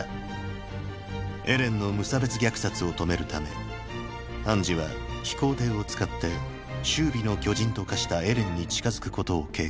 エレンの無差別虐殺を止めるためハンジは飛行艇を使って終尾の巨人と化したエレンに近づくことを計画。